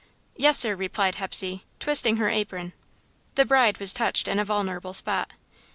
"Yes, sir," replied Hepsey, twisting her apron. The bride was touched in a vulnerable spot.